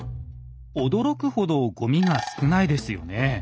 驚くほどごみが少ないですよね。